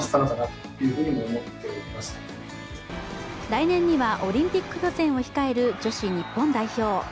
来年にはオリンピック予選を控える女子日本代表。